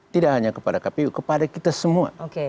tidak hanya kepada kpu kepada kita semua